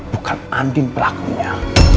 bukan andin pelakunya